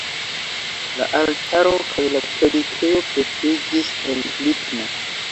La altaro kaj la predikejo pretiĝis el ligno.